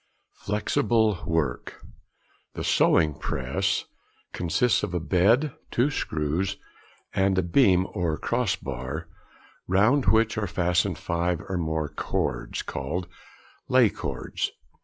Flexible Work.—The "sewing press" consists of a bed, two screws, and a beam or cross bar, round which are fastened five or more cords, called lay cords.